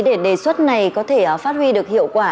để đề xuất này có thể phát huy được hiệu quả